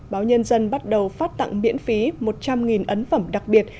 báo nhân dân bắt đầu phát tặng miễn phí một trăm linh ấn phẩm đặc biệt